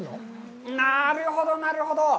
なるほど、なるほど。